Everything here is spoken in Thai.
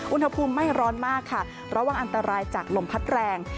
อุณหภูมิไม่ร้อนมากค่ะระวังอันตรายจากลมพัดแรง